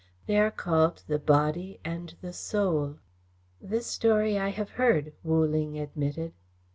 They are called the Body and the Soul." "This story I have heard," Wu Ling admitted.